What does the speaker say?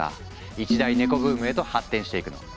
一大ネコブームへと発展していくの。